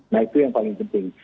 nah itu yang paling penting